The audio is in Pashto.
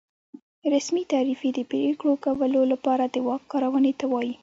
رسمي تعریف یې د پرېکړو کولو لپاره د واک کارونې ته وایي.